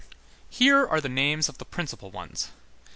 Here are the names of the principal ones.